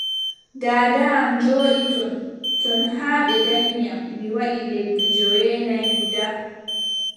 Daada am jooɗi ton ton haa ɓe danyi am mi waɗi lebbi joweenay guda.